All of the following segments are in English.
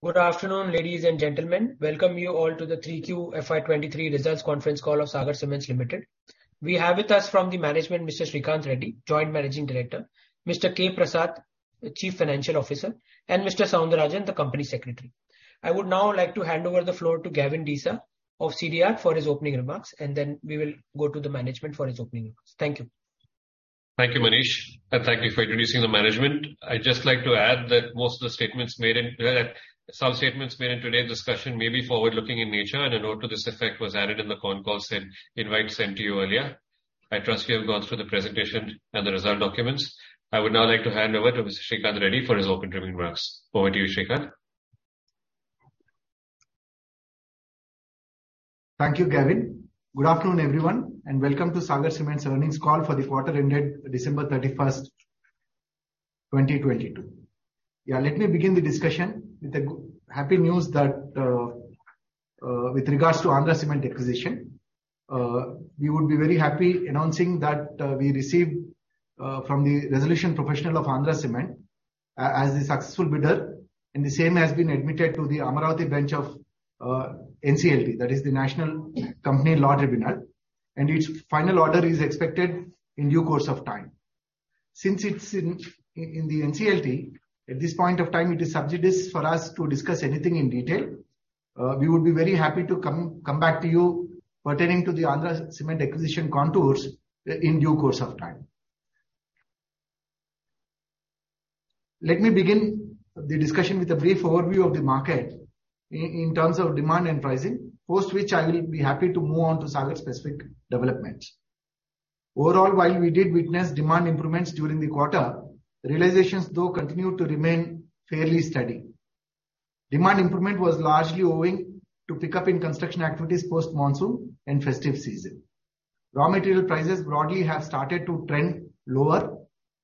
Good afternoon, ladies and gentlemen. Welcome you all to the 3Q FY23 Results Conference Call of Sagar Cements Limited. We have with us from the management Mr. Sreekanth Reddy, Joint Managing Director, Mr. K. Prasad, the Chief Financial Officer, and Mr. Soundararajan, the Company Secretary. I would now like to hand over the floor to Gavin Desa of CDR for his opening remarks, and then we will go to the management for his opening remarks. Thank you. Thank you, Manish, and thank you for introducing the management. I'd just like to add that some statements made in today's discussion may be forward-looking in nature, and a note to this effect was added in the con call sent, invite sent to you earlier. I trust you have gone through the presentation and the result documents. I would now like to hand over to Mr. Sreekanth Reddy for his opening remarks. Over to you, Sreekanth. Thank you, Gavin. Good afternoon, everyone, and welcome to Sagar Cements' earnings call for the quarter ended December 31st, 2022. Let me begin the discussion with the happy news that with regards to Andhra Cement acquisition, we would be very happy announcing that we received from the resolution professional of Andhra Cement as the successful bidder. The same has been admitted to the Amaravati bench of NCLT, that is the National Company Law Tribunal. Its final order is expected in due course of time. Since it's in the NCLT, at this point of time it is sub judice for us to discuss anything in detail. We would be very happy to come back to you pertaining to the Andhra Cement acquisition contours in due course of time. Let me begin the discussion with a brief overview of the market in terms of demand and pricing, post which I will be happy to move on to Sagar specific developments. Overall, while we did witness demand improvements during the quarter, realizations though continued to remain fairly steady. Demand improvement was largely owing to pickup in construction activities post-monsoon and festive season. Raw material prices broadly have started to trend lower,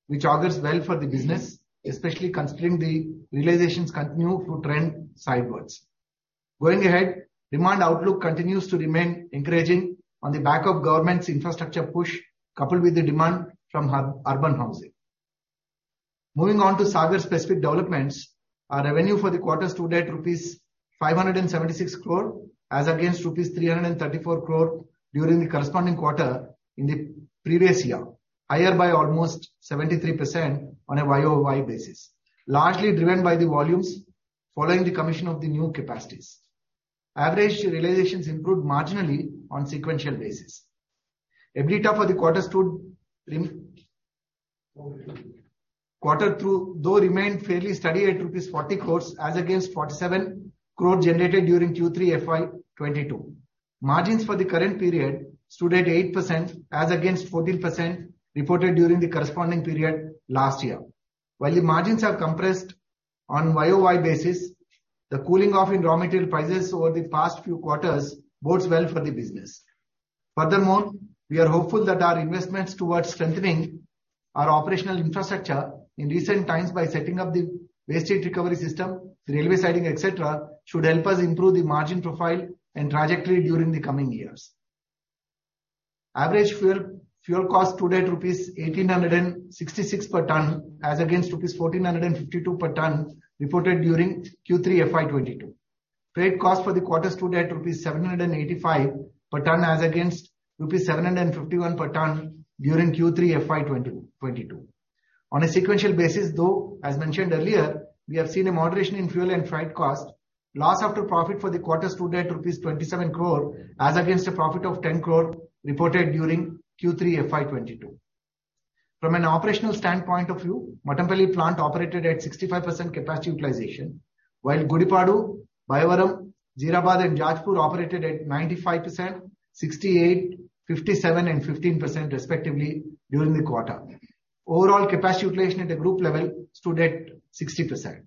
which augurs well for the business, especially considering the realizations continue to trend sidewards. Going ahead, demand outlook continues to remain encouraging on the back of government's infrastructure push coupled with the demand from urban housing. Moving on to Sagar specific developments, our revenue for the quarter stood at rupees 576 crore as against rupees 334 crore during the corresponding quarter in the previous year, higher by almost 73% on a Y-o-Y basis, largely driven by the volumes following the commission of the new capacities. Average realizations improved marginally on sequential basis. EBITDA for the quarter, though remained fairly steady at rupees 40 crore as against 47 crore generated during Q3 FY22. Margins for the current period stood at 8% as against 14% reported during the corresponding period last year. While the margins have compressed on Y-o-Y basis, the cooling off in raw material prices over the past few quarters bodes well for the business. Furthermore, we are hopeful that our investments towards strengthening our operational infrastructure in recent times by setting up the waste heat recovery system, the railway siding, et cetera, should help us improve the margin profile and trajectory during the coming years. Average fuel cost stood at rupees 1,866 per ton as against rupees 1,452 per ton reported during Q3 FY22. Freight cost for the quarter stood at rupees 785 per ton as against rupees 751 per ton during Q3 FY22. On a sequential basis though, as mentioned earlier, we have seen a moderation in fuel and freight cost. Loss after profit for the quarter stood at rupees 27 crore as against a profit of 10 crore reported during Q3 FY22. From an operational standpoint of view, Mattampally plant operated at 65% capacity utilization, while Gudipadu, Bayyavaram, Jeerabad, and Jajpur operated at 95%, 68%, 57%, and 15% respectively during the quarter. Overall capacity utilization at the group level stood at 60%.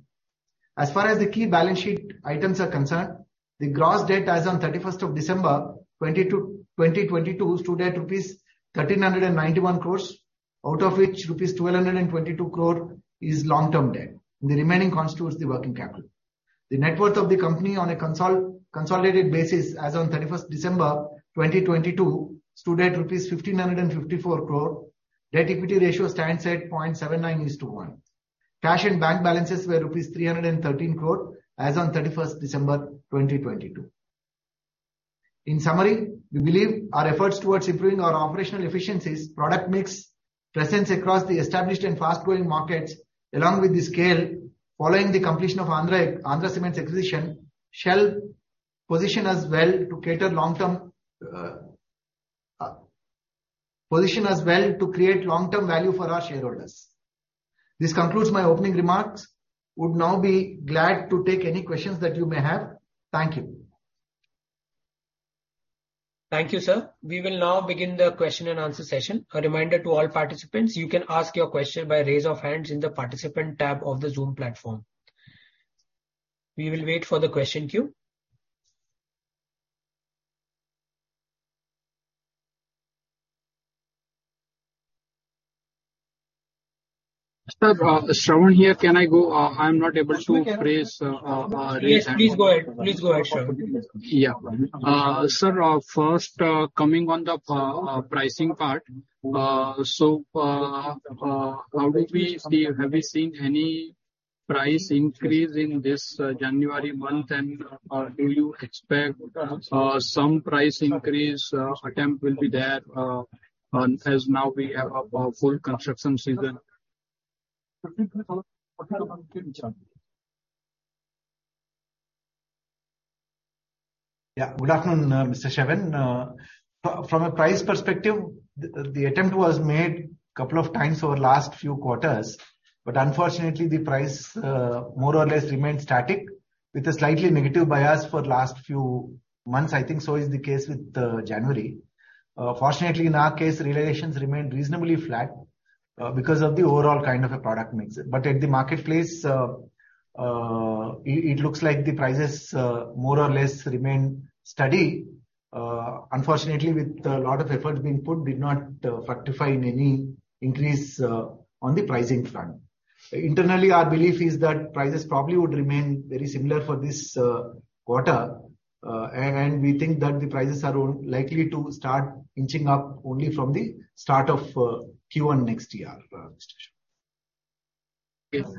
As far as the key balance sheet items are concerned, the gross debt as on 31st of December 2022 stood at rupees 1,391 crore, out of which rupees 1,222 crore is long-term debt. The remaining constitutes the working capital. The net worth of the company on a consolidated basis as on 31st December 2022 stood at rupees 1,554 crore. Debt equity ratio stands at 0.79 is to one. Cash and bank balances were rupees 313 crore as on 31st December 2022. In summary, we believe our efforts towards improving our operational efficiencies, product mix, presence across the established and fast-growing markets, along with the scale following the completion of Andhra Cements acquisition, shall position us well to create long-term value for our shareholders. This concludes my opening remarks. Would now be glad to take any questions that you may have. Thank you. Thank you, sir. We will now begin the question-and-answer session. A reminder to all participants, you can ask your question by raise of hands in the participant tab of the Zoom platform. We will wait for the question queue. Sir, Shravan here. Can I go? I'm not able to raise hand. Yes, please go ahead. Please go ahead, Shravan. Yeah. sir, first, coming on the pricing part. Have we seen any price increase in this January month? Do you expect some price increase attempt will be there on as now we have a full construction season? Yeah. Good afternoon, Mr. Shravan. From a price perspective, the attempt was made couple of times over last few quarters, unfortunately the price more or less remained static with a slightly negative bias for last few months. I think so is the case with January. Fortunately in our case, realizations remained reasonably flat because of the overall kind of a product mix. At the marketplace, it looks like the prices more or less remain steady. Unfortunately, with a lot of effort being put did not fructify in any increase on the pricing front. Internally, our belief is that prices probably would remain very similar for this quarter. We think that the prices are likely to start inching up only from the start of Q1 next year, Mr. Shravan. Yes.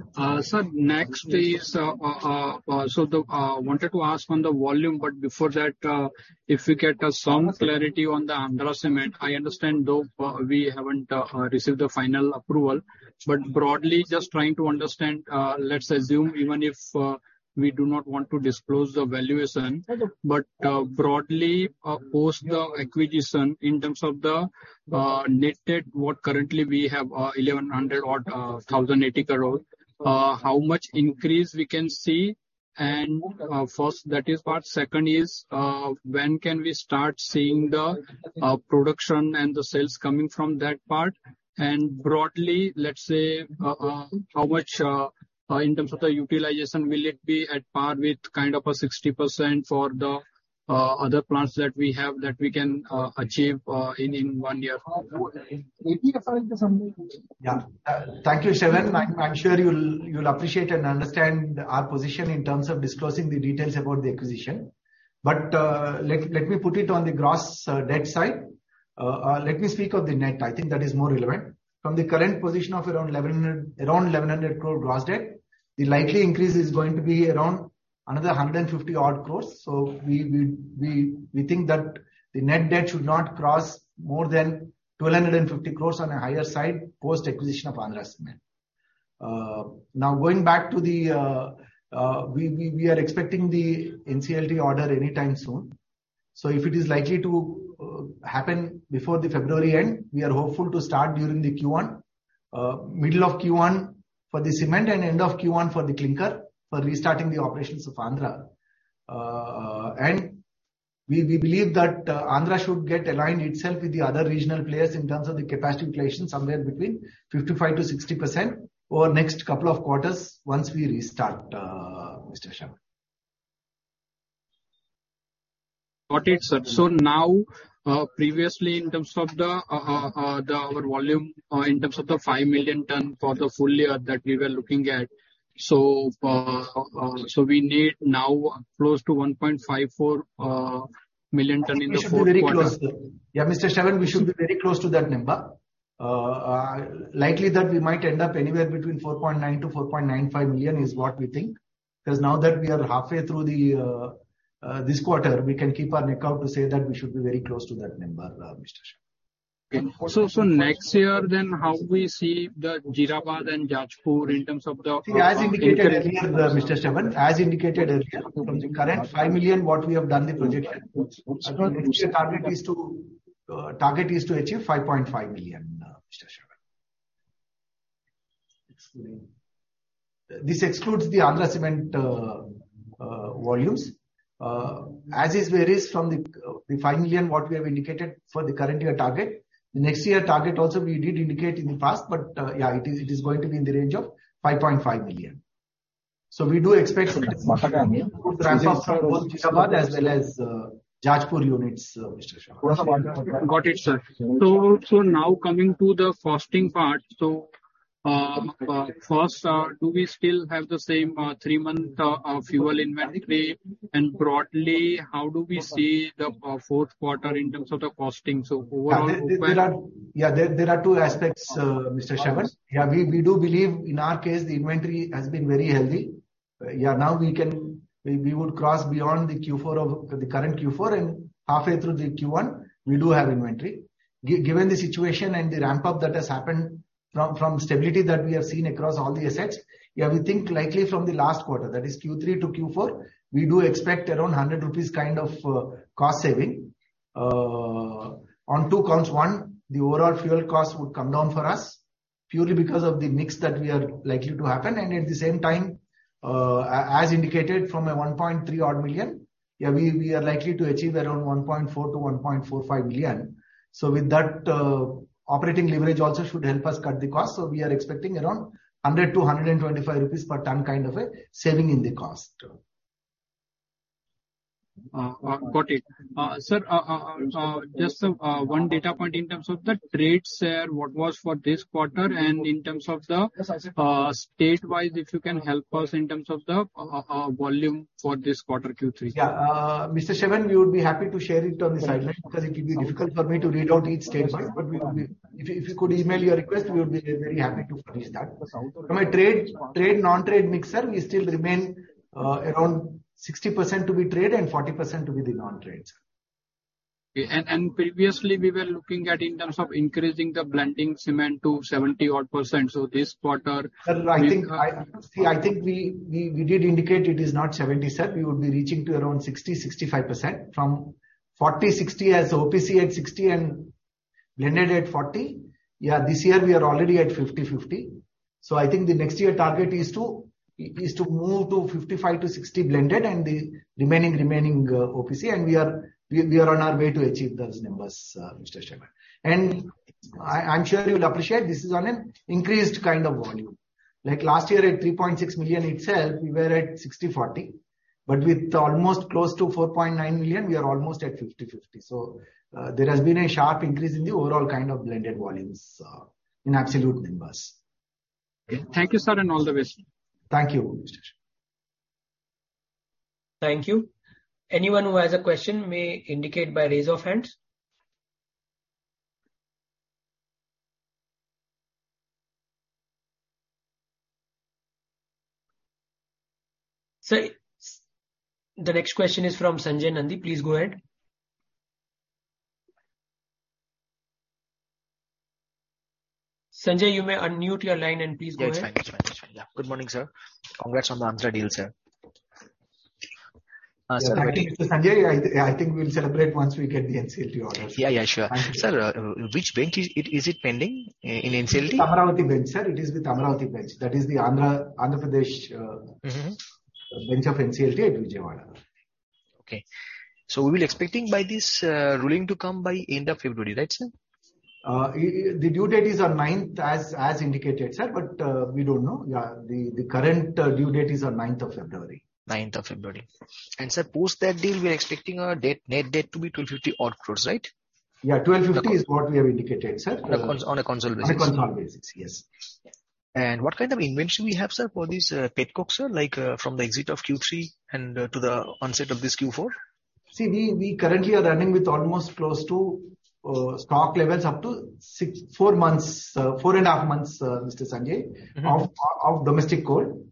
Sir, next is, wanted to ask on the volume, but before that, if we get some clarity on the Andhra Cements. I understand though, we haven't received the final approval. Broadly, just trying to understand, let's assume even if, we do not want to disclose the valuation. Okay. Broadly, post the acquisition in terms of the net debt, what currently we have, 1,100 crore or 1,080 crore. How much increase we can see? First, that is part. Second is, when can we start seeing the production and the sales coming from that part? Broadly, let's say, how much in terms of the utilization will it be at par with kind of a 60% for the other plants that we have that we can achieve in one year? Yeah. Thank you, Shravan. I'm sure you'll appreciate and understand our position in terms of disclosing the details about the acquisition. Let me put it on the gross debt side. Let me speak of the net. I think that is more relevant. From the current position of around 1,100 crore gross debt, the likely increase is going to be around another 150 odd crores. We think that the net debt should not cross more than 1,250 crores on a higher side, post-acquisition of Andhra Cements. Now going back to the, we are expecting the NCLT order anytime soon. If it is likely to happen before the February end, we are hopeful to start during the Q1. Middle of Q1 for the cement and end of Q1 for the clinker, for restarting the operations of Andhra. And we believe that Andhra should get aligned itself with the other regional players in terms of the capacity utilization somewhere between 55%-60% over next couple of quarters once we restart, Mr. Shravan. Got it, sir. Now, previously in terms of the volume, in terms of the 5 million tons for the full year that we were looking at. We need now close to 1.54 million tons in the fourth quarter. We should be very close, sir. Yeah, Mr. Shravan, we should be very close to that number. Likely that we might end up anywhere between 4.9 million-4.95 million is what we think. Because now that we are halfway through the this quarter, we can keep our neck out to say that we should be very close to that number, Mr. Shravan. next year then how we see the Jeerabad and Jajpur in terms of? See, as indicated earlier, Mr. Shravan. As indicated earlier, the current 5 million, what we have done the projection. Our projection target is to achieve 5.5 million, Mr. Shravan. Excluding. This excludes the Andhra Cements volumes. As is varies from the 5 million what we have indicated for the current year target. The next year target also we did indicate in the past, but it is going to be in the range of 5.5 million. We do expect some decent ramp up for both Jeerabad as well as Jajpur units, Mr. Shravan. Got it, sir. Now coming to the costing part. First, do we still have the same three-month fuel inventory? Broadly, how do we see the fourth quarter in terms of the costing? overall- There are two aspects, Mr. Shravan. We do believe in our case the inventory has been very healthy. Now we would cross beyond the Q4 of, the current Q4 and halfway through the Q1, we do have inventory. Given the situation and the ramp-up that has happened from stability that we have seen across all the assets, we think likely from the last quarter, that is Q3 to Q4, we do expect around 100 rupees kind of cost saving. On two counts. One, the overall fuel cost would come down for us purely because of the mix that we are likely to happen. At the same time, as indicated from a 1.3 odd million, we are likely to achieve around 1.4 million-1.45 million. With that, operating leverage also should help us cut the cost. We are expecting around 100-125 rupees per ton kind of a saving in the cost. Got it. Sir, just one data point in terms of the trade share, what was for this quarter, and in terms of the state wise, if you can help us in terms of the volume for this quarter Q3? Yeah. Mr. Shravan, we would be happy to share it on the sideline because it will be difficult for me to read out each state-wise. We If, if you could email your request, we would be very happy to furnish that. From a trade non-trade mix, sir, we still remain around 60% to be trade and 40% to be the non-trade, sir. Previously we were looking at in terms of increasing the blending cement to 70% odd. This quarter. Sir, we did indicate it is not 70%, sir. We would be reaching to around 60%-65%. From 40, 60 as OPC at 60% and blended at 40%. This year we are already at 50/50. The next year target is to move to 55%-60% blended and the remaining OPC. And we are on our way to achieve those numbers, Mr. Sharma. And I'm sure you'll appreciate this is on an increased kind of volume. Like last year at 3.6 million itself, we were at 60/40, but with almost close to 4.9 million, we are almost at 50/50. There has been a sharp increase in the overall kind of blended volumes in absolute numbers. Thank you, sir, and all the best. Thank you. Thank you. Anyone who has a question may indicate by raise of hands. Sir, the next question is from Sanjay Nandi. Please go ahead. Sanjay, you may unmute your line and please go ahead. Yes, fine. Yeah. Good morning, sir. Congrats on the Andhra deal, sir. Thank you, Sanjay. I think we'll celebrate once we get the NCLT order. Yeah. Yeah. Sure. Thank you. Sir, which bench is it, is it pending in NCLT? Amaravati bench, sir. It is the Amaravati bench. That is the Andhra Pradesh. Mm-hmm bench of NCLT at Vijayawada. Okay. We were expecting by this ruling to come by end of February, right, sir? The due date is on 9th as indicated, sir, but, we don't know. The current, due date is on 9th of February. 9th of February. Sir, post that deal, we are expecting our debt, net debt to be 1,250 odd crores, right? Yeah. 1,250 is what we have indicated, sir. On a console basis. On a console basis, yes. What kind of invention we have, sir, for this, petcoke, sir, like, from the exit of Q3 and, to the onset of this Q4? See, we currently are running with almost close to stock levels up to four months, four and a half months, Mr. Sanjay. Mm-hmm. ...of domestic coal.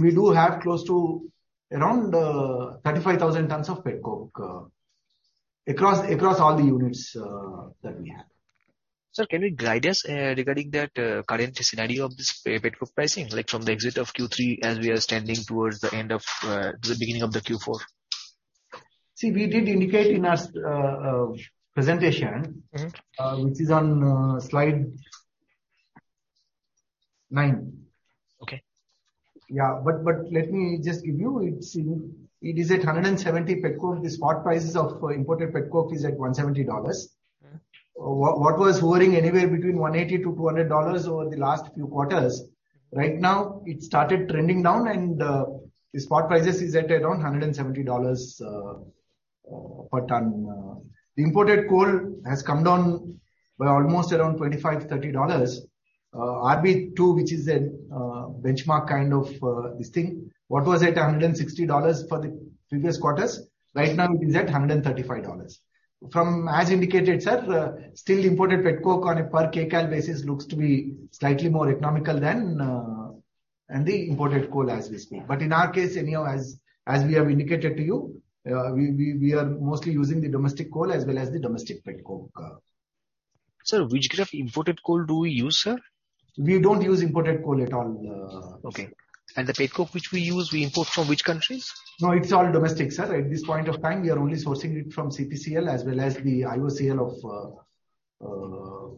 We do have close to around 35,000 tons of petcoke across all the units that we have. Sir, can you guide us, regarding that, current scenario of this petcoke pricing, like from the exit of Q3 as we are standing towards the end of, the beginning of the Q4? We did indicate in our presentation. Mm-hmm. ...which is on, slide nine. Okay. Yeah. Let me just give you. It is at 170 petcoke. The spot prices of imported petcoke is at $170. Mm-hmm. What was hovering anywhere between $180-$200 over the last few quarters. Right now it started trending down and the spot prices is at around $170 per ton. The imported coal has come down by almost around $25-$30. RB2, which is a benchmark kind of this thing, what was at $160 for the previous quarters, right now it is at $135. From, as indicated, sir, still imported petcoke on a per kcal basis looks to be slightly more economical than the imported coal as we speak. In our case, anyhow, as we have indicated to you, we are mostly using the domestic coal as well as the domestic petcoke. Sir, which grade of imported coal do we use, sir? We don't use imported coal at all. Okay. The petcoke which we use, we import from which countries? No, it's all domestic, sir. At this point of time, we are only sourcing it from CPCL as well as the IOCL of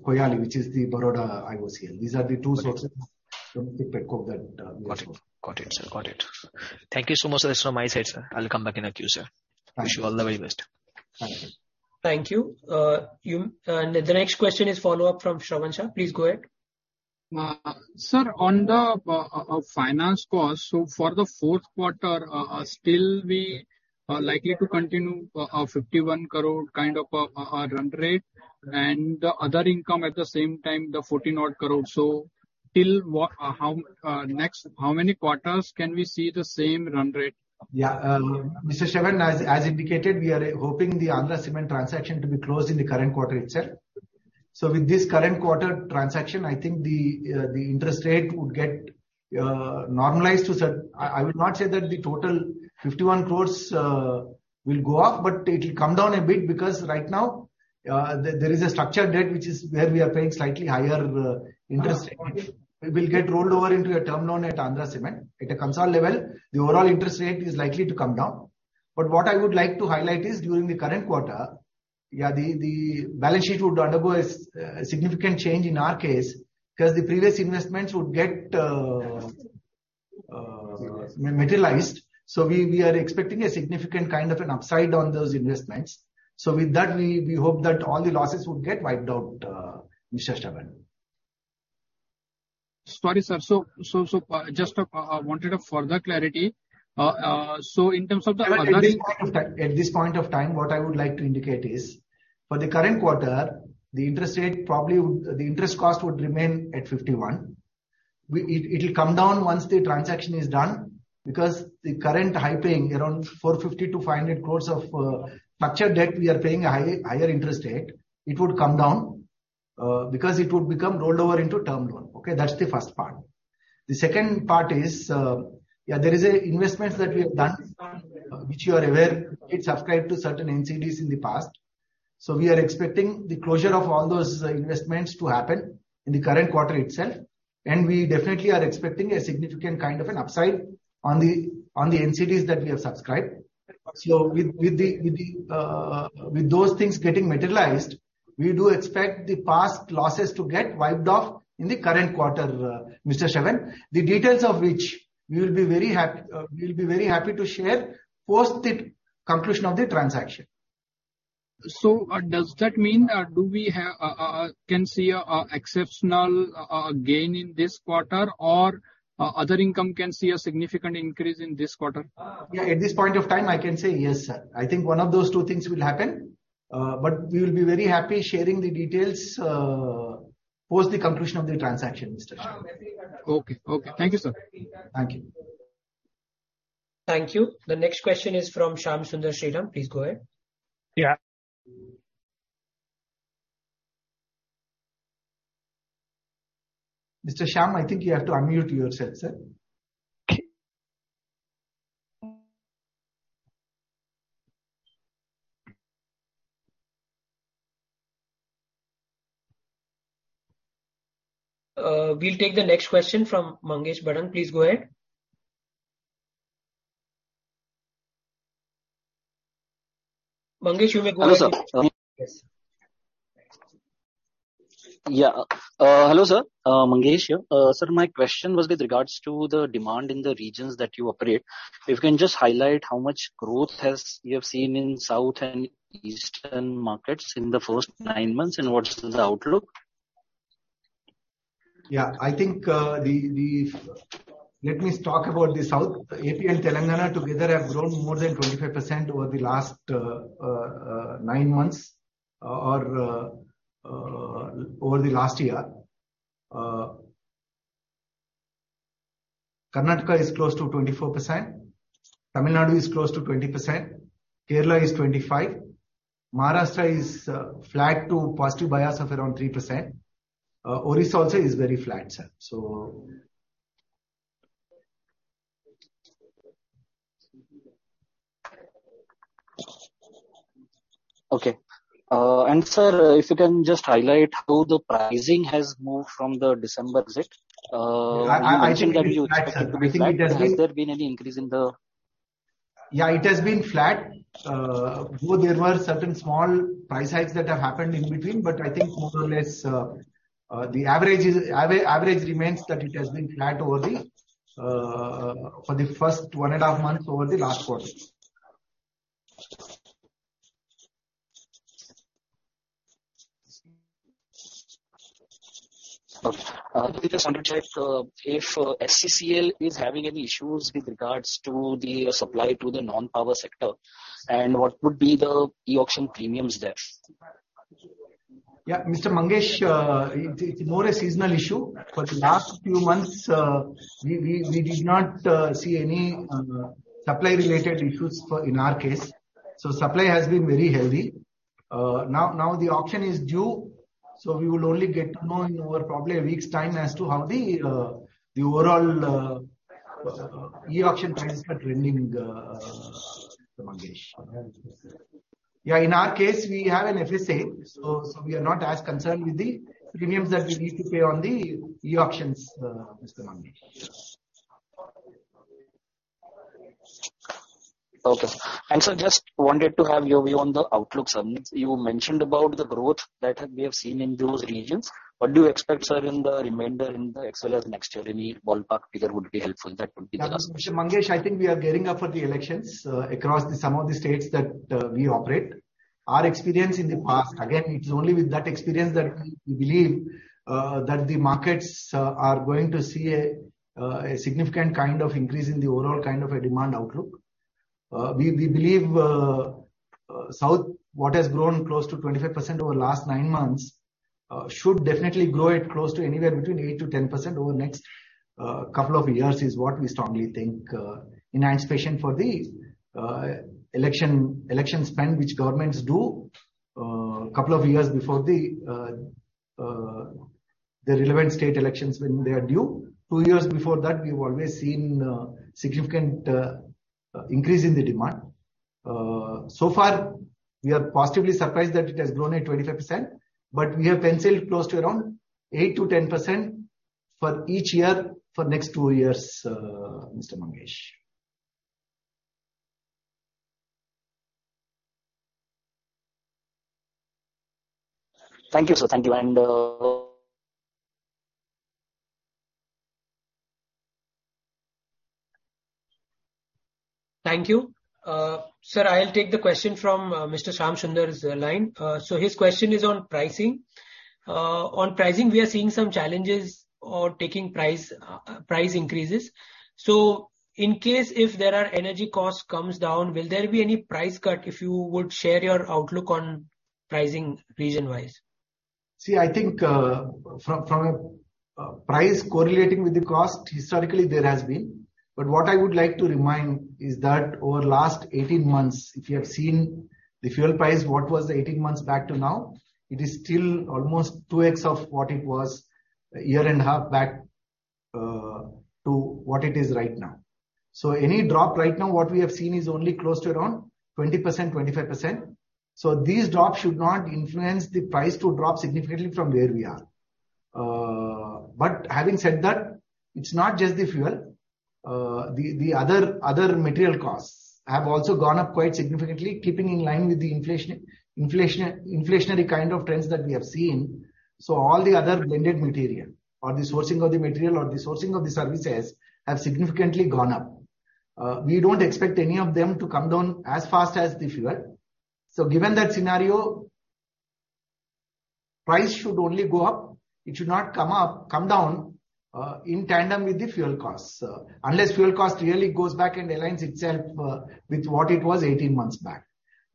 Koyali, which is the Baroda IOCL. These are the two sources. Got it. ...of domestic petcoke that we import. Got it. Got it, sir. Got it. Thank you so much. That's from my side, sir. I'll come back in the queue, sir. Thank you. Wish you all the very best. Thank you. Thank you. The next question is follow-up from Shravan Shah. Please go ahead. Sir, on the finance cost, for the fourth quarter, still we are likely to continue a 51 crore kind of a run rate, and other income at the same time, the 40 odd crore. How, next, how many quarters can we see the same run rate? Yeah. Mr. Shravan, as indicated, we are hoping the Andhra Cement transaction to be closed in the current quarter itself. With this current quarter transaction, I think the interest rate would get normalized to I would not say that the total 51 crores will go off, but it'll come down a bit because right now, there is a structured debt which is where we are paying slightly higher interest rate. Okay. It will get rolled over into a term loan at Andhra Cement. At a console level, the overall interest rate is likely to come down. What I would like to highlight is during the current quarter, the balance sheet would undergo a significant change in our case because the previous investments would get materialized. We are expecting a significant kind of an upside on those investments. With that, we hope that all the losses would get wiped out, Mr. Shravan. Sorry, sir. Just wanted a further clarity. In terms of the other-. At this point of time, what I would like to indicate is for the current quarter, the interest cost would remain at 51. It'll come down once the transaction is done because the current high paying around 450 crore-500 crore of structured debt we are paying a high, higher interest rate. It would come down because it would become rolled over into term loan. Okay? That's the first part. The second part is, yeah, there is a investments that we have done, which you are aware, it subscribed to certain NCDs in the past. We are expecting the closure of all those investments to happen in the current quarter itself. We definitely are expecting a significant kind of an upside on the NCDs that we have subscribed. With those things getting materialized, we do expect the past losses to get wiped off in the current quarter, Mr. Shravan. The details of which we will be very happy to share post the conclusion of the transaction. Does that mean, do we have, can see a exceptional gain in this quarter or other income can see a significant increase in this quarter? Yeah, at this point of time I can say yes, sir. I think one of those two things will happen. We will be very happy sharing the details, post the conclusion of the transaction, Mr. Shravan. Okay. Okay. Thank you, sir. Thank you. Thank you. The next question is from Shyam Sunder Sriram. Please go ahead. Yeah. Mr. Sham, I think you have to unmute yourself, sir. We'll take the next question from Mangesh Bhadang. Please go ahead. Mangesh, you may go ahead. Hello, sir. Yes. Yeah. Hello, sir. Mangesh here. Sir, my question was with regards to the demand in the regions that you operate. If you can just highlight how much growth has you have seen in south and eastern markets in the first nine months, and what is the outlook? Yeah. I think. Let me talk about the south. AP and Telangana together have grown more than 25% over the last nine months, or over the last year. Karnataka is close to 24%. Tamil Nadu is close to 20%. Kerala is 25%. Maharashtra is flat to positive bias of around 3%. Orissa also is very flat, sir. Okay. Sir, if you can just highlight how the pricing has moved from the December exit? You mentioned that. I think it has been flat, sir. Has there been any increase in the- Yeah, it has been flat. Though there were certain small price hikes that have happened in between. I think more or less, the average remains that it has been flat for the first one and a half months over the last quarter. Okay. Just wanted to check if SCCL is having any issues with regards to the supply to the non-power sector. What would be the e-auction premiums there? Yeah. Mr. Mangesh, it's more a seasonal issue. For the last few months, we did not see any supply related issues for, in our case. Supply has been very healthy. Now the auction is due, so we will only get to know in over probably a week's time as to how the overall e-auction trends are trending, Mr. Mangesh. Yeah, in our case, we have an FSA, so we are not as concerned with the premiums that we need to pay on the e-auctions, Mr. Mangesh. Okay. Sir, just wanted to have your view on the outlook summit. You mentioned about the growth that we have seen in those regions. What do you expect, sir, in the remainder next year? Any ballpark figure would be helpful. Mr. Mangesh, I think we are gearing up for the elections, across the some of the states that we operate. Our experience in the past, again, it's only with that experience that we believe, that the markets are going to see a significant kind of increase in the overall kind of a demand outlook. We, we believe, south, what has grown close to 25% over the last nine months, should definitely grow at close to anywhere between 8%-10% over the next two years, is what we strongly think. In anticipation for the election spend which governments do, two years before the the relevant state elections when they are due. Two years before that we've always seen significant increase in the demand. So far we are positively surprised that it has grown at 25%, but we have penciled close to around 8%-10% for each year for next two years, Mr. Mangesh. Thank you, sir. Thank you. Thank you. Sir, I'll take the question from Mr. Shyam Sunder's line. His question is on pricing. On pricing, we are seeing some challenges or taking price increases. In case if there are energy costs comes down, will there be any price cut if you would share your outlook on pricing region-wise? See, I think, from a, price correlating with the cost, historically there has been. What I would like to remind is that over the last 18 months, if you have seen the fuel price, what was 18 months back to now, it is still almost 2x of what it was a year and a half back, to what it is right now. Any drop right now, what we have seen is only close to around 20%, 25%. These drops should not influence the price to drop significantly from where we are. Having said that, it's not just the fuel. The other material costs have also gone up quite significantly, keeping in line with the inflationary kind of trends that we have seen. All the other blended material or the sourcing of the material or the sourcing of the services have significantly gone up. We don't expect any of them to come down as fast as the fuel. Given that scenario, price should only go up. It should not come down in tandem with the fuel costs, unless fuel cost really goes back and aligns itself with what it was 18 months back.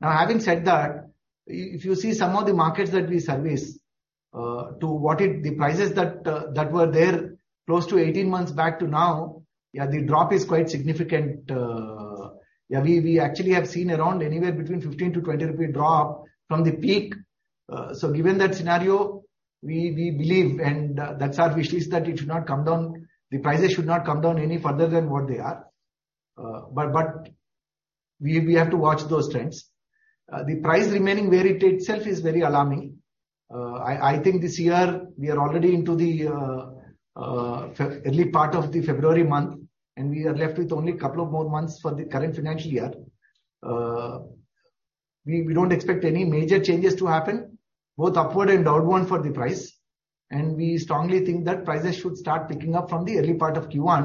Having said that, if you see some of the markets that we service, the prices that were there close to 18 months back to now, the drop is quite significant. We actually have seen around anywhere between 15- 20 rupees drop from the peak. Given that scenario, we believe, and that's our wish list, that it should not come down, the prices should not come down any further than what they are. We have to watch those trends. The price remaining where it is itself is very alarming. I think this year we are already into the early part of the February month, and we are left with only a couple of more months for the current financial year. We don't expect any major changes to happen both upward and downward for the price, and we strongly think that prices should start picking up from the early part of Q1.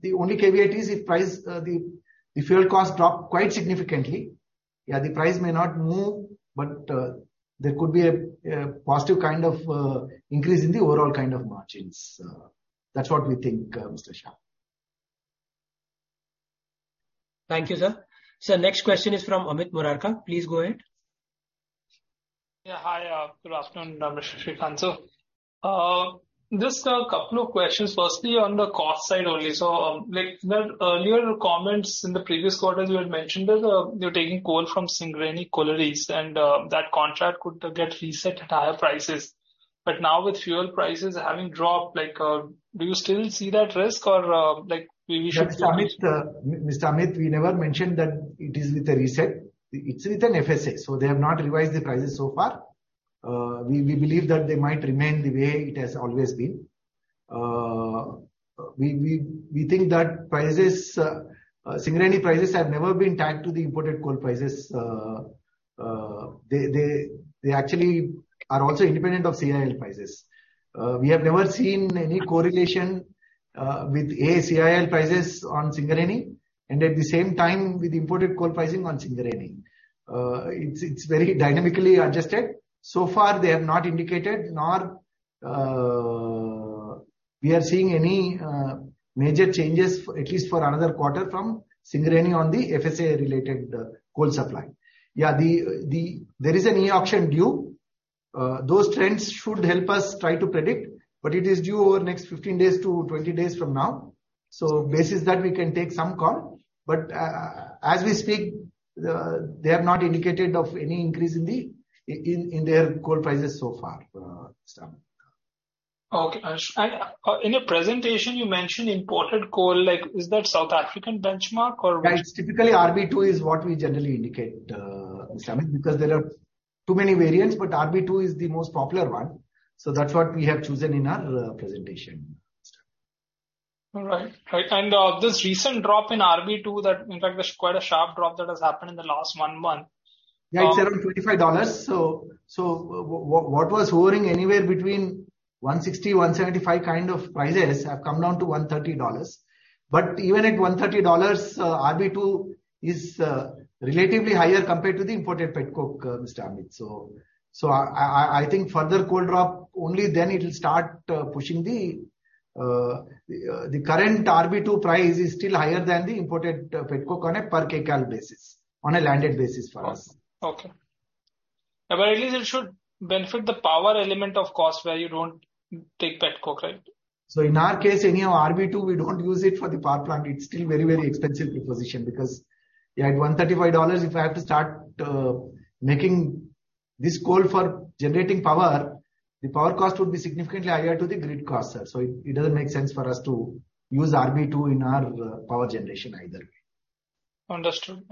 The only caveat is if price, the fuel costs drop quite significantly. Yeah, the price may not move, there could be a positive kind of increase in the overall kind of margins. That's what we think, Mr. Shyam. Thank you, sir. Sir, next question is from Amit Murarka. Please go ahead. Hi. Good afternoon, Ashish, Sreekanth. Just a couple of questions. Firstly, on the cost side only. Like the earlier comments in the previous quarters, you had mentioned that you're taking coal from Singareni Collieries, and that contract could get reset at higher prices. Now with fuel prices having dropped, like, do you still see that risk or like we should-? That's Mr. Amit, we never mentioned that it is with a reset. It's with an FSA. They have not revised the prices so far. We believe that they might remain the way it has always been. We think that Singareni Collieries prices have never been tagged to the imported coal prices. They actually are also independent of CIL prices. We have never seen any correlation with CIL prices on Singareni, and at the same time with imported coal pricing on Singareni. It's very dynamically adjusted. So far they have not indicated nor we are seeing any major changes at least for another quarter from Singareni Collieries on the FSA related coal supply. Yeah, there is an e-auction due. Those trends should help us try to predict, but it is due over the next 15 days to 20 days from now. Basis that we can take some call. As we speak, they have not indicated of any increase in their coal prices so far, Mr. Amit. Okay, Ash. In your presentation you mentioned imported coal. Like, is that South African benchmark or which? Yeah, it's typically RB2 is what we generally indicate, Mr. Amit, because there are too many variants, but RB2 is the most popular one. That's what we have chosen in our presentation. All right. Right, this recent drop in RB2 that in fact there's quite a sharp drop that has happened in the last one month. Yeah, it's around $55. What was hovering anywhere between $160, $175 kind of prices have come down to $130. Even at $130, RB2 is relatively higher compared to the imported petcoke, Mr. Amit. I think further coal drop only then it will start pushing the. The current RB2 price is still higher than the imported petcoke on a per kcal basis, on a landed basis for us. Okay. At least it should benefit the power element of cost where you don't take petcoke, right? In our case, anyhow, RB2, we don't use it for the power plant. It's still very, very expensive proposition because, yeah, at $135, if I have to start making this coal for generating power, the power cost would be significantly higher to the grid cost, sir. It, it doesn't make sense for us to use RB2 in our power generation either way. Understood.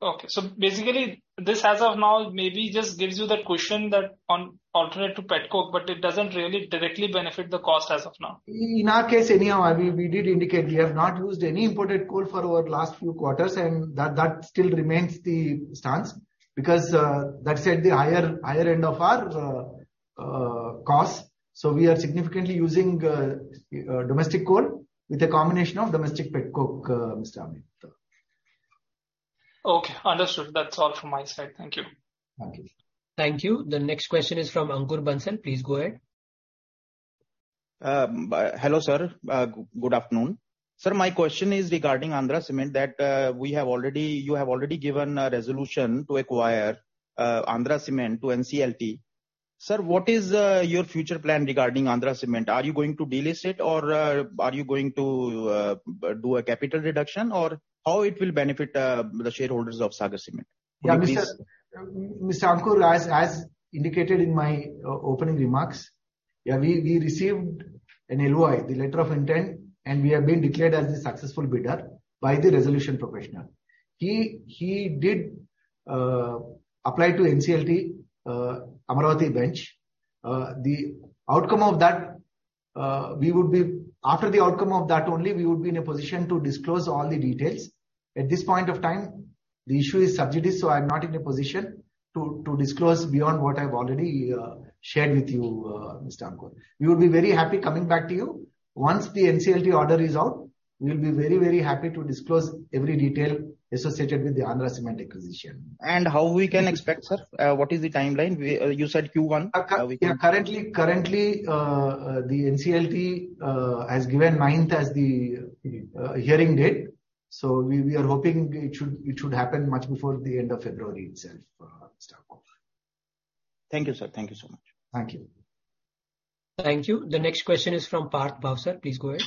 Okay. Basically this as of now maybe just gives you the cushion that on alternate to petcoke, but it doesn't really directly benefit the cost as of now. In our case anyhow, we did indicate we have not used any imported coal for our last few quarters. That still remains the stance because that set the higher end of our costs. We are significantly using domestic coal with a combination of domestic petcoke, Mr. Amit. Okay, understood. That's all from my side. Thank you. Thank you. Thank you. The next question is from Ankur Bansal. Please go ahead. Hello sir. Good afternoon. Sir, my question is regarding Andhra Cements that you have already given a resolution to acquire Andhra Cements to NCLT. Sir, what is, your future plan regarding Andhra Cements? Are you going to delist it, or, are you going to, do a capital reduction, or how it will benefit, the shareholders of Sagar Cements? Mr. Ankur, as indicated in my opening remarks, we received an LOI, the letter of intent, and we have been declared as the successful bidder by the resolution professional. He did apply to NCLT Amaravati bench. The outcome of that, after the outcome of that only we would be in a position to disclose all the details. At this point of time, the issue is sub judice, I'm not in a position to disclose beyond what I've already shared with you, Mr. Ankur. We would be very happy coming back to you. Once the NCLT order is out, we'll be very happy to disclose every detail associated with the Andhra Cements acquisition. How we can expect, sir? What is the timeline? We, you said Q1. Yeah, currently, the NCLT has given ninth as the hearing date. We are hoping it should happen much before the end of February itself, Mr. Ankur. Thank you, sir. Thank you so much. Thank you. Thank you. The next question is from Parth Bhavsar. Please go ahead.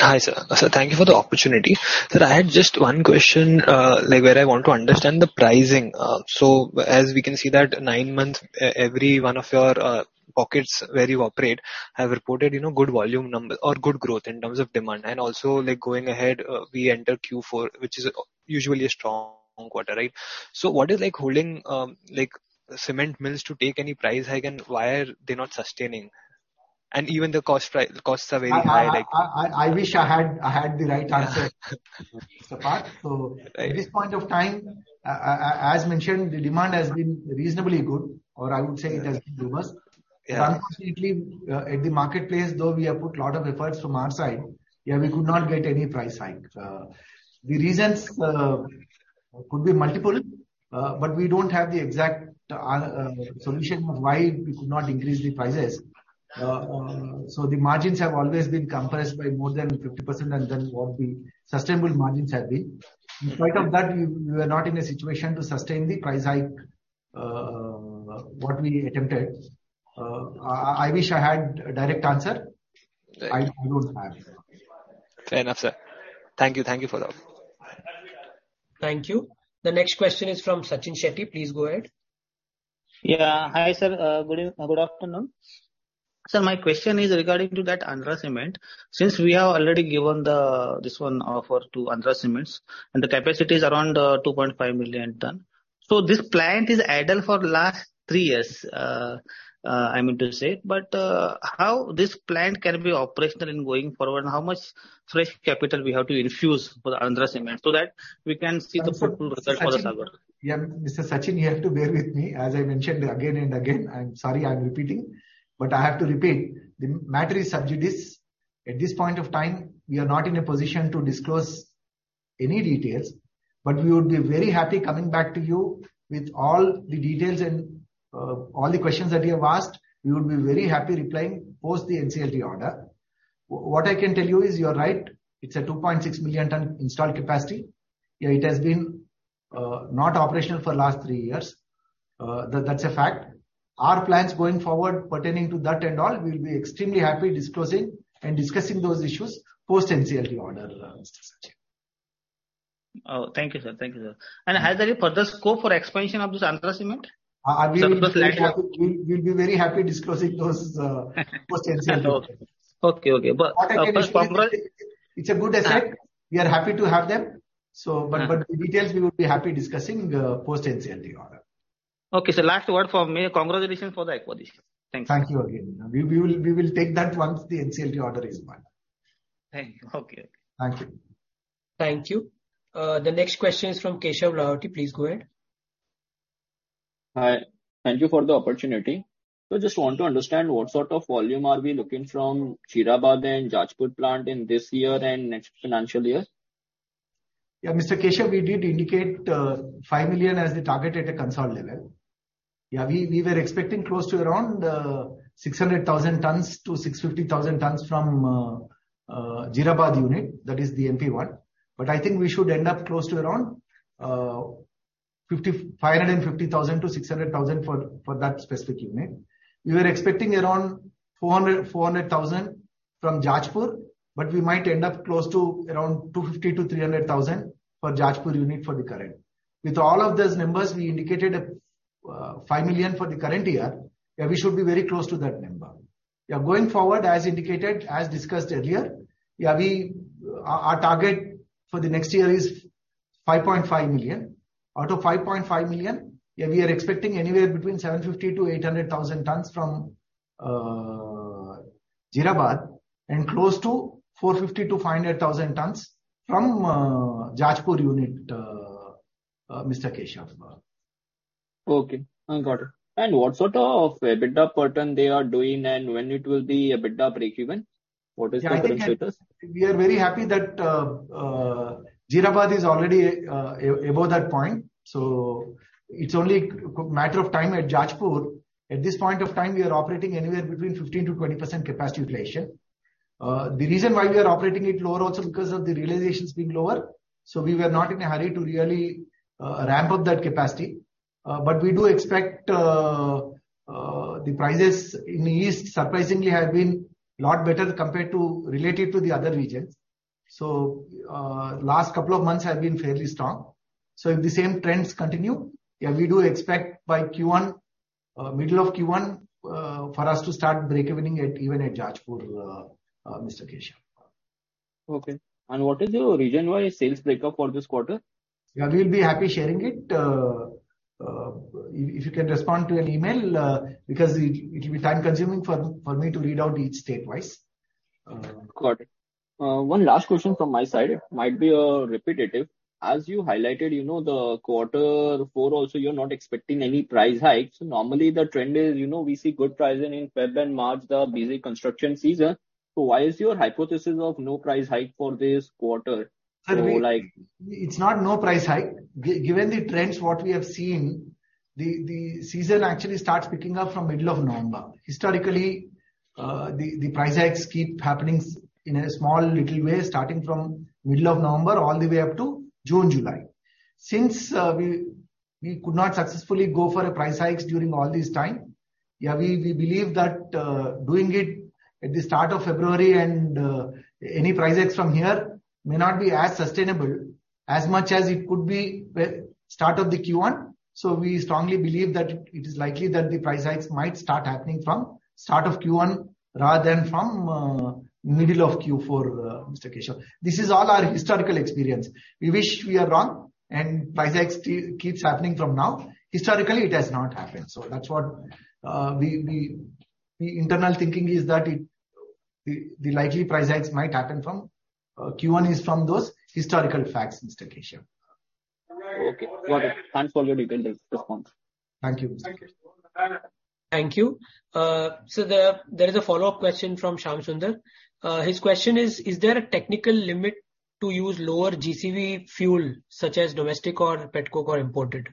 Hi, sir. Sir, thank you for the opportunity. Sir, I had just one question, like, where I want to understand the pricing. As we can see that nine months, every one of your pockets where you operate have reported, you know, good volume number or good growth in terms of demand. Also, like, going ahead, we enter Q4, which is usually a strong quarter, right? What is, like, holding, like, cement mills to take any price hike, and why are they not sustaining? Even the costs are very high, like... I wish I had the right answer Mr. Parth. Right. At this point of time, as mentioned, the demand has been reasonably good, or I would say it has been robust. Yeah. Unfortunately, at the marketplace, though we have put lot of efforts from our side, yeah, we could not get any price hike. The reasons could be multiple, but we don't have the exact solution of why we could not increase the prices. The margins have always been compressed by more than 50% than what the sustainable margins have been. In spite of that, we were not in a situation to sustain the price hike what we attempted. I wish I had a direct answer. Right. I don't have. Fair enough, sir. Thank you. Thank you for that. Thank you. The next question is from Sachin Shetty. Please go ahead. Yeah. Hi, sir. Good afternoon. Sir, my question is regarding to that Andhra Cement. We have already given the, this one offer to Andhra Cements, and the capacity is around 2.5 million tons. This plant is idle for last three years, I mean to say. How this plant can be operational in going forward, and how much fresh capital we have to infuse for the Andhra Cement so that we can see the fruitful result for us over? Mr. Sachin, you have to bear with me as I mentioned again and again. I'm sorry I'm repeating, but I have to repeat. The matter is sub judice. At this point of time, we are not in a position to disclose any details. We would be very happy coming back to you with all the details and all the questions that you have asked. We would be very happy replying post the NCLT order. What I can tell you is you're right, it's a 2.6 million ton installed capacity. It has been not operational for last three years. That's a fact. Our plans going forward pertaining to that and all, we'll be extremely happy disclosing and discussing those issues post NCLT order, Mr. Sachin. Oh, thank you, sir. Thank you, sir. Has there any further scope for expansion of this Andhra Cement? We will be quite happy- Sir- We'll be very happy disclosing those, post NCLT order. Okay. Okay. All I can is it's a good asset. We are happy to have them. But the details we would be happy discussing post NCLT order. Okay, sir. Last word from me. Congratulations for the acquisition. Thank you. Thank you again. We will take that once the NCLT order is passed. Thank you. Okay. Okay. Thank you. Thank you. The next question is from Keshav Lahoti. Please go ahead. Hi. Thank you for the opportunity. Just want to understand what sort of volume are we looking from Jeerabad and Jajpur plant in this year and next financial year? Mr. Keshav, we did indicate 5 million as the target at a consort level. We were expecting close to around 600,000-650,000 tons from Jeerabad unit. That is the MP one. I think we should end up close to around 550,000-600,000 for that specific unit. We were expecting around 400,000 from Jajpur, we might end up close to around 250,000-300,000 for Jajpur unit for the current. With all of those numbers, we indicated 5 million for the current year. We should be very close to that number. Going forward, as indicated, as discussed earlier, we, our target for the next year is 5.5 million. Out of 5.5 million, yeah, we are expecting anywhere between 750,000-800,000 tons from Jeerabad and close to 450,000-500,000 tons from Jajpur unit, Mr. Keshav. Okay. I got it. What sort of EBITDA pattern they are doing and when it will be EBITDA breakeven? What is the confidence with us? I think we are very happy that Jeerabad is already above that point. It's only a matter of time at Jajpur. At this point of time, we are operating anywhere between 15%-20% capacity utilization. The reason why we are operating it lower also because of the realizations being lower, so we were not in a hurry to really ramp up that capacity. We do expect the prices in the east surprisingly have been a lot better compared to related to the other regions. Last couple of months have been fairly strong. If the same trends continue, yeah, we do expect by Q1, middle of Q1, for us to start breakevening at even at Jajpur, Mr. Keshav. Okay. What is the region wide sales breakup for this quarter? Yeah, we'll be happy sharing it. If you can respond to an email, because it will be time consuming for me to read out each state-wise. Got it. One last question from my side. It might be repetitive. As you highlighted, you know, the quarter four also, you're not expecting any price hikes. Normally, the trend is, you know, we see good pricing in Feb and March, the busy construction season. Why is your hypothesis of no price hike for this quarter? Sorry. It's not no price hike. Given the trends, what we have seen, the season actually starts picking up from middle of November. Historically, the price hikes keep happening in a small little way, starting from middle of November all the way up to June, July. Since we could not successfully go for a price hikes during all this time, yeah, we believe that doing it at the start of February and any price hikes from here may not be as sustainable as much as it could be with start of the Q1. We strongly believe that it is likely that the price hikes might start happening from start of Q1 rather than from middle of Q4, Mr. Keshav. This is all our historical experience. We wish we are wrong and price hikes still keeps happening from now. Historically, it has not happened. That's what the internal thinking is that it, the likely price hikes might happen from Q1 is from those historical facts, Mr. Keshav. Okay. Got it. Thanks for your detailed response. Thank you. Thank you. Thank you. Sir, there is a follow-up question from Shyam Sunder. His question is there a technical limit to use lower GCV fuel such as domestic or petcoke or imported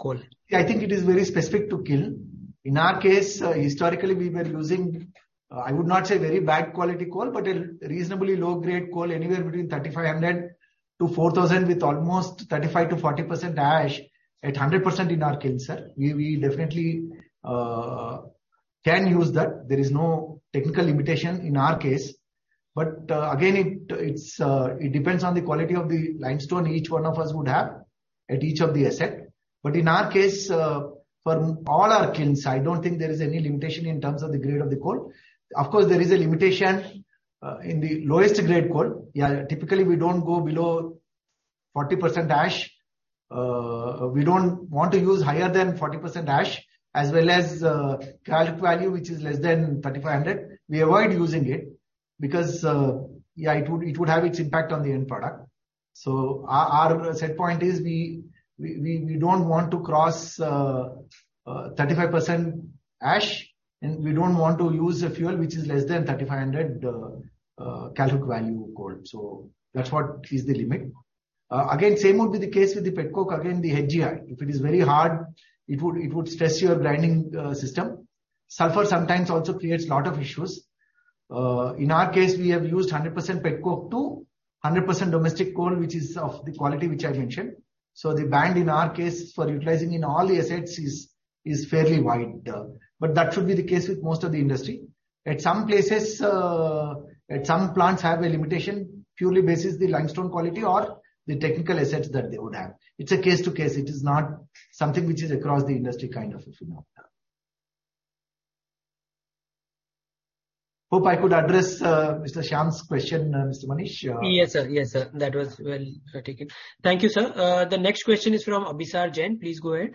coal? Yeah, I think it is very specific to kiln. In our case, historically, we were using, I would not say very bad quality coal, but a reasonably low-grade coal, anywhere between 3,500-4,000, with almost 35%-40% ash at 100% in our kiln, sir. We definitely can use that. There is no technical limitation in our case. Again, it's, it depends on the quality of the limestone each one of us would have at each of the asset. In our case, for all our kilns, I don't think there is any limitation in terms of the grade of the coal. Of course, there is a limitation in the lowest grade coal. Yeah, typically, we don't go below 40% ash. We don't want to use higher than 40% ash, as well as calc value which is less than 3,500. We avoid using it because, yeah, it would have its impact on the end product. So our set point is we don't want to cross 35% ash, and we don't want to use a fuel which is less than 3,500 caloric value coal. So that's what is the limit. Again, same would be the case with the petcoke. Again, the HGI. If it is very hard, it would stress your grinding system. Sulfur sometimes also creates lot of issues. In our case, we have used 100% petcoke to 100% domestic coal, which is of the quality which I mentioned. The band in our case for utilizing in all the assets is fairly wide. That should be the case with most of the industry. At some places, at some plants have a limitation purely basis the limestone quality or the technical assets that they would have. It's a case to case. It is not something which is across the industry kind of a phenomenon. Hope I could address Mr. Shyam's question, Mr. Manish. Yes, sir. Yes, sir. That was well taken. Thank you, sir. The next question is from Abhisar Jain. Please go ahead.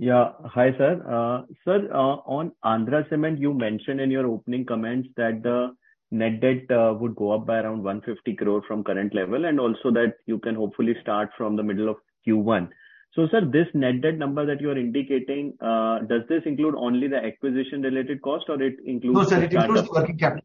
Hi, sir. Sir, on Andhra Cements, you mentioned in your opening comments that the net debt would go up by around 150 crore from current level, and also that you can hopefully start from the middle of Q1. Sir, this net debt number that you are indicating, does this include only the acquisition related cost or it includes the startup- No, sir. It includes the working capital.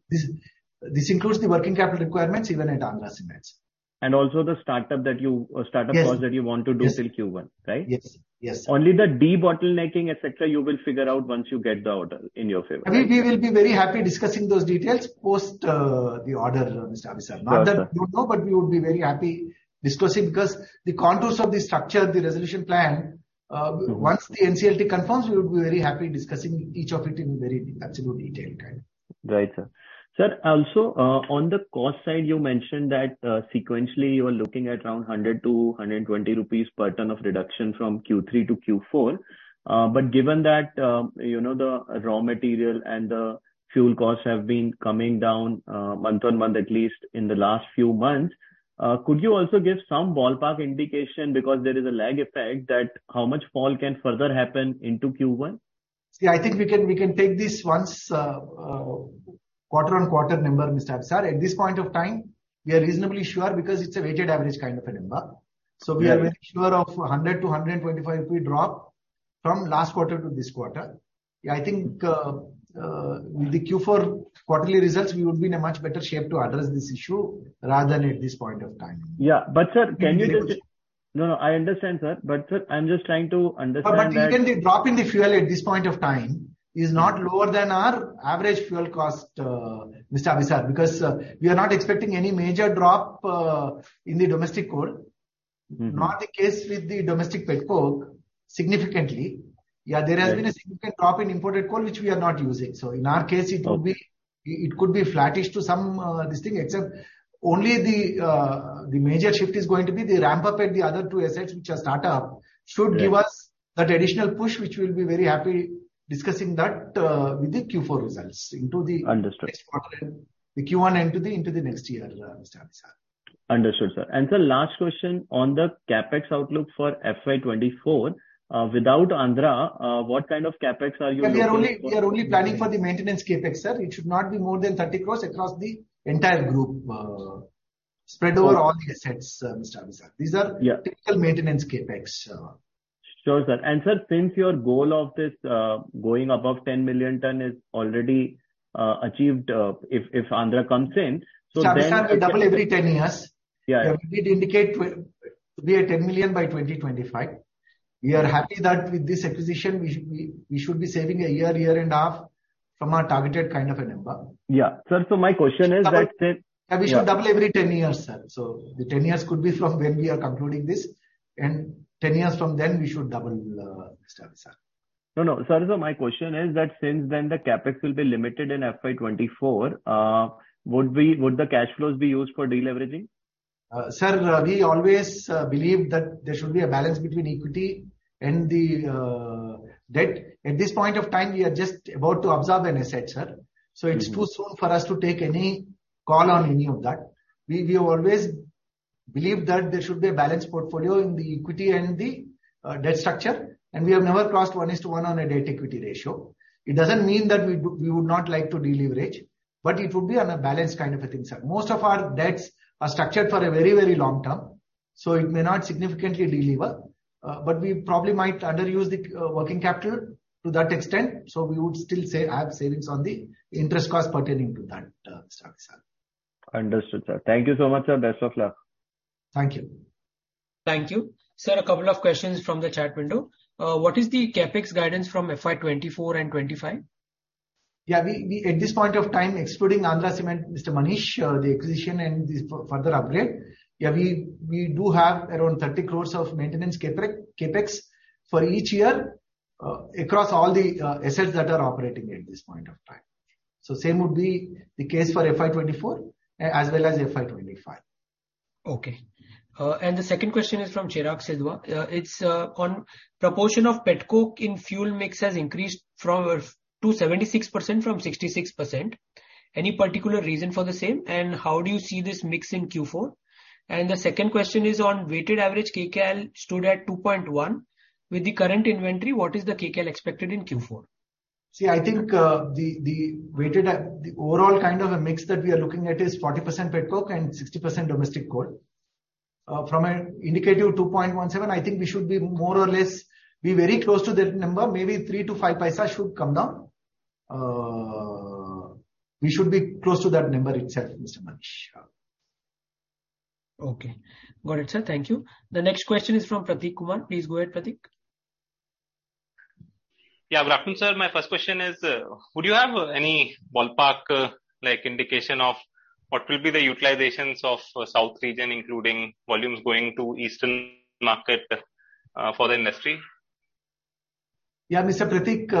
This includes the working capital requirements even at Andhra Cements. Also the startup that- Yes. Startup costs that you want to do... Yes. till Q1, right? Yes. Yes, sir. Only the debottlenecking, et cetera, you will figure out once you get the order in your favor. We will be very happy discussing those details post the order, Mr. Abhisar. Gotcha. Not that you don't know, but we would be very happy discussing because the contours of the structure, the resolution plan. Mm-hmm. Once the NCLT confirms, we would be very happy discussing each of it in very absolute detail, kind. Right, sir. Sir, also, on the cost side, you mentioned that, sequentially you are looking at around 100-120 rupees per ton of reduction from Q3 to Q4. Given that, you know, the raw material and the fuel costs have been coming down, month-on-month, at least in the last few months, could you also give some ballpark indication because there is a lag effect that how much fall can further happen into Q1? See, I think we can take this once quarter-on-quarter number, Mr. Abhisar. At this point of time, we are reasonably sure because it's a weighted average kind of a number. Yeah. We are very sure of 100-125 rupee drop from last quarter to this quarter. Yeah, I think, with the Q4 quarterly results, we would be in a much better shape to address this issue rather than at this point of time. Yeah. Sir, can you just-No, no, I understand, sir. Sir, I'm just trying to understand that- Again, the drop in the fuel at this point of time is not lower than our average fuel cost, Mr. Abhisar, because we are not expecting any major drop in the domestic coal. Mm-hmm. Not the case with the domestic petcoke significantly. Right. Yeah, there has been a significant drop in imported coal which we are not using. Okay. It could be flattish to some, this thing, except only the major shift is going to be the ramp-up at the other two assets which are startup should give us... Right. That additional push which we'll be very happy discussing that, with the Q4 results. Understood. next quarter. The Q1 into the next year, Mr. Abhisar. Understood, sir. Sir, last question on the CapEx outlook for FY 2024. Without Andhra, what kind of CapEx are you looking for in FY 2024? We are only planning for the maintenance CapEx, sir. It should not be more than 30 crores across the entire group, spread over all the assets, Mr. Abhisar. Yeah. Typical maintenance CapEx. Sure, sir. Sir, since your goal of this going above 10 million ton is already achieved, if Andhra comes in... Mr. Abhisar, we double every 10 years. Yeah. That would indicate to be at 10 million by 2025. We are happy that with this acquisition we should be saving a year and half from our targeted kind of a number. Yeah. Sir, my question is that. We should double every 10 years, sir. The 10 years could be from when we are concluding this, and 10 years from then we should double, Mr. Abhisar. No, no. Sir, my question is that since then the CapEx will be limited in FY 2024, would the cash flows be used for deleveraging? Sir, we always believe that there should be a balance between equity and the debt. At this point of time, we are just about to absorb an asset, sir. Mm-hmm. It's too soon for us to take any call on any of that. We have always believed that there should be a balanced portfolio in the equity and the debt structure, and we have never crossed 1:1 on a debt equity ratio. It doesn't mean that we would not like to deleverage, but it would be on a balanced kind of a thing, sir. Most of our debts are structured for a very, very long term, so it may not significantly delever. But we probably might underuse the working capital to that extent, so we would still say have savings on the interest costs pertaining to that structure. Understood, sir. Thank you so much, sir. Best of luck. Thank you. Thank you. Sir, a couple of questions from the chat window. What is the CapEx guidance from FY 2024 and 2025? Yeah, we at this point of time, excluding Andhra Cements, Manish, the acquisition and this further upgrade, yeah, we do have around 30 crores of maintenance CapEx for each year, across all the assets that are operating at this point of time. Same would be the case for FY 24 as well as FY 25. Okay. The second question is from Chirag Sidhwa. It's on proportion of pet coke in fuel mix has increased from, to 76% from 66%. Any particular reason for the same? How do you see this mix in Q4? The second question is on weighted average kcal stood at 2.1. With the current inventory, what is the kcal expected in Q4? See, I think, the weighted, the overall kind of a mix that we are looking at is 40% petcoke and 60% domestic coal. From an indicative 2.17, I think we should be more or less be very close to that number. Maybe three-five paisa should come down. We should be close to that number itself, Mr. Manish. Okay. Got it, sir. Thank you. The next question is from Prateek Kumar. Please go ahead, Prateek. Yeah. Sreekanth sir, my first question is, would you have any ballpark, like indication of what will be the utilizations of south region, including volumes going to eastern market, for the industry? Yeah. Mr. Prateek,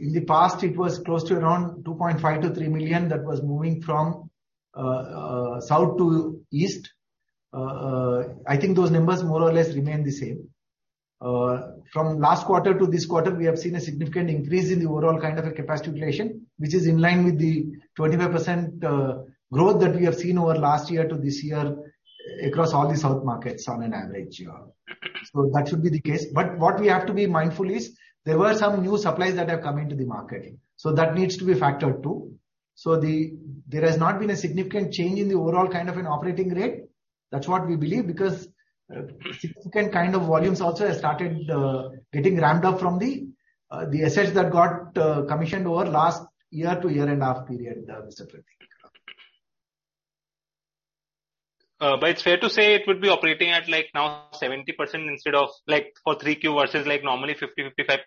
in the past, it was close to around 2.5 million-3 million that was moving from south to east. I think those numbers more or less remain the same. From last quarter to this quarter, we have seen a significant increase in the overall kind of a capacity utilization, which is in line with the 25% growth that we have seen over last year to this year across all the south markets on an average year. That should be the case. What we have to be mindful is there were some new supplies that have come into the market, so that needs to be factored too. There has not been a significant change in the overall kind of an operating rate. That's what we believe because, significant kind of volumes also have started, getting ramped up from the assets that got, commissioned over last year-to-year and a half period, Mr. Prateek. It's fair to say it would be operating at like now 70% instead of like for 3Q versus like normally 50%-55%,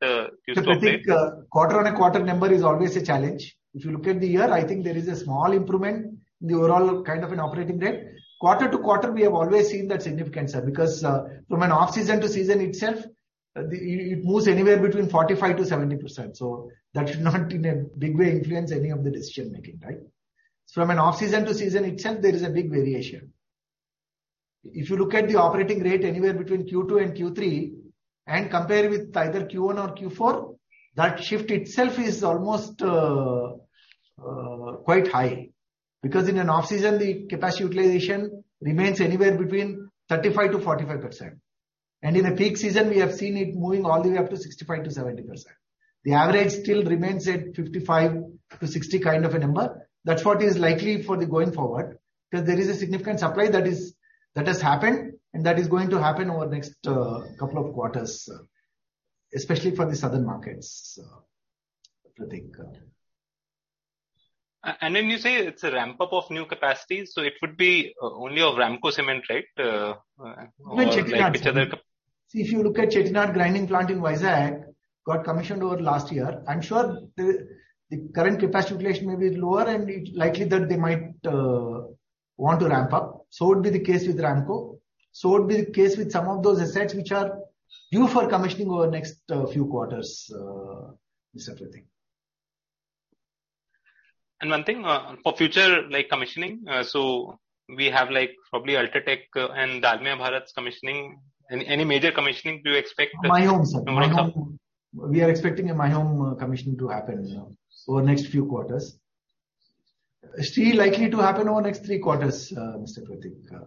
Q4 rate? Mr. Prateek, quarter-on-quarter number is always a challenge. If you look at the year, I think there is a small improvement in the overall kind of an operating rate. Quarter to quarter, we have always seen that significance, because from an off-season to season itself, it moves anywhere between 45%-70%. That should not in a big way influence any of the decision making, right? From an off-season to season itself, there is a big variation. If you look at the operating rate anywhere between Q2 and Q3 and compare with either Q1 or Q4, that shift itself is almost quite high. In an off-season, the capacity utilization remains anywhere between 35%-45%. In a peak season, we have seen it moving all the way up to 65%-70%. The average still remains at 55-60 kind of a number. That's what is likely for the going forward, because there is a significant supply that has happened and that is going to happen over next couple of quarters, especially for the southern markets, Prateek. You say it's a ramp-up of new capacity, so it would be only of Ramco Cement, right? Or like each other- Even Chettinad, sir. See, if you look at Chettinad grinding plant in Vizag, got commissioned over last year. I'm sure the current capacity utilization may be lower and it's likely that they might want to ramp up. Would be the case with Ramco. Would be the case with some of those assets which are due for commissioning over the next few quarters, Mr. Prateek. One thing, for future, like, commissioning. We have, like, probably UltraTech and Dalmia Bharat's commissioning. Any major commissioning do you expect? Mattampally, sir. Mattampally. We are expecting a Mattampally, commissioning to happen, over the next few quarters. Still likely to happen over the next three quarters, Mr. Prateek.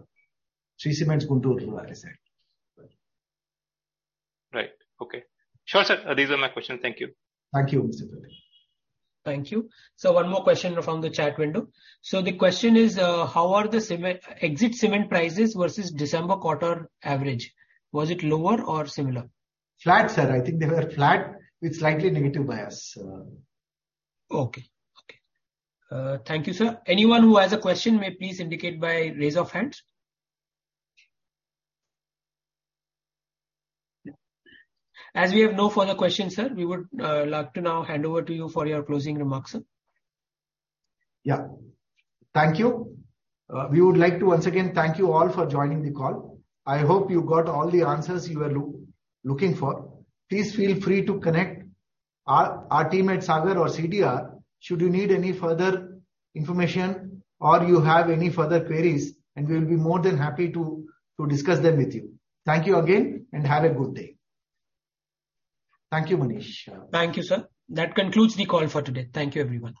Shree Cement Guntur river asset. Right. Okay. Sure, sir. These are my questions. Thank you. Thank you, Mr. Prateek. Thank you. One more question from the chat window. The question is, how are the exit cement prices versus December quarter average? Was it lower or similar? Flat, sir. I think they were flat with slightly negative bias. Okay. Okay. Thank you, sir. Anyone who has a question may please indicate by raise of hands. As we have no further questions, sir, we would like to now hand over to you for your closing remarks, sir. Yeah. Thank you. We would like to once again thank you all for joining the call. I hope you got all the answers you were looking for. Please feel free to connect our team at Sagar or CDR should you need any further information or you have any further queries, and we'll be more than happy to discuss them with you. Thank you again, and have a good day. Thank you, Manish. Thank you, sir. That concludes the call for today. Thank you, everyone.